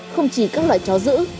không chỉ các loại chó dữ